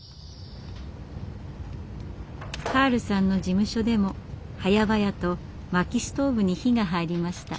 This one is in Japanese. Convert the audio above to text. カールさんの事務所でもはやばやと薪ストーブに火が入りました。